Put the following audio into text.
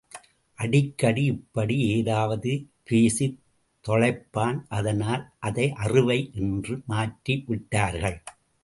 அடிக்கடி இப்படி ஏதாவது பேசித் தொளைப்பான் அதனால் அதை அறுவை என்று மாற்றி விட்டார்கள்.